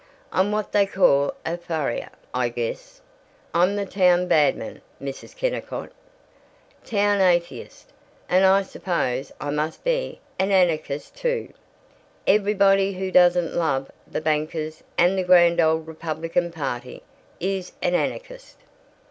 I'm what they call a pariah, I guess. I'm the town badman, Mrs. Kennicott: town atheist, and I suppose I must be an anarchist, too. Everybody who doesn't love the bankers and the Grand Old Republican Party is an anarchist."